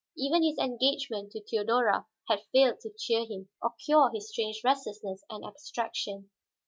Even his engagement to Theodora had failed to cheer him, or cure his strange restlessness and abstraction.